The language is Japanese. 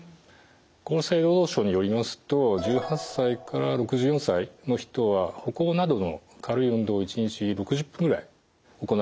厚生労働省によりますと１８歳から６４歳の人は歩行などの軽い運動を一日６０分ぐらい行うこと。